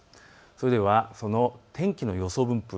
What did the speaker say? それではその天気の予想分布